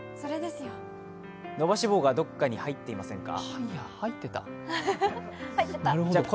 伸ばし棒がどこかに入っていませんか？